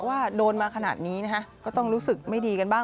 ว่าโดนมาขนาดนี้นะฮะก็ต้องรู้สึกไม่ดีกันบ้าง